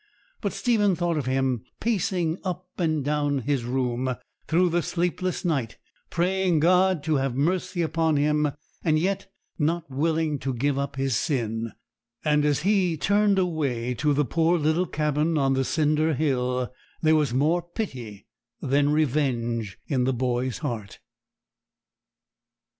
But Stephen thought of him pacing up and down his room through the sleepless night, praying God to have mercy upon him, yet not willing to give up his sin; and as he turned away to the poor little cabin on the cinder hill, there was more pity than revenge in the boy's heart.